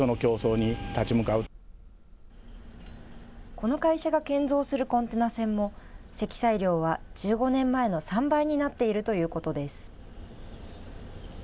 この会社が建造するコンテナ船も積載量は１５年前の３倍になっているということです。